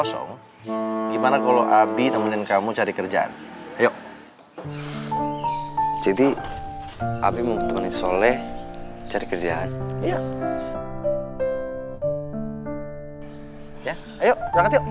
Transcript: saya mohon maaf sebelumnya